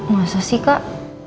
masa sih kak